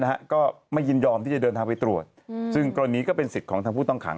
นะฮะก็ไม่ยินยอมที่จะเดินทางไปตรวจอืมซึ่งกรณีก็เป็นสิทธิ์ของทางผู้ต้องขัง